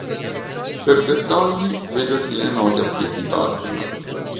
Per dettagli vedasi le note a piè di pagina.